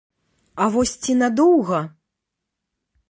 А вось ці надоўга?